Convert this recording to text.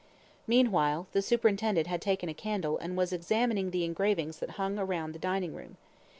Meanwhile, the superintendent had taken a candle, and was examining the engravings that hung round the dining room.